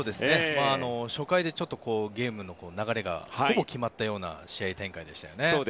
初回でゲームの流れがほぼ決まったような試合展開でしたよね。